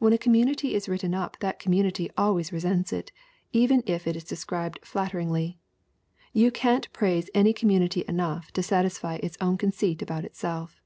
When a community is written up that community always re sents it, even if it is described flatteringly. You can't praise any community enough to satisfy its own con ceit about itself."